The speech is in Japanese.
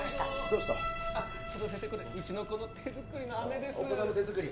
うちの子の手作りのアメです手作り？